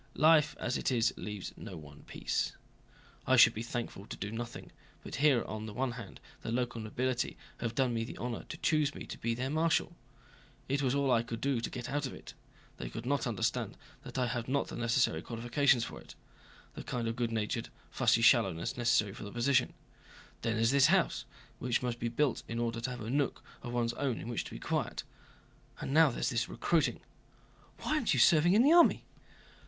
"Life as it is leaves one no peace. I should be thankful to do nothing, but here on the one hand the local nobility have done me the honor to choose me to be their marshal; it was all I could do to get out of it. They could not understand that I have not the necessary qualifications for it—the kind of good natured, fussy shallowness necessary for the position. Then there's this house, which must be built in order to have a nook of one's own in which to be quiet. And now there's this recruiting." "Why aren't you serving in the army?"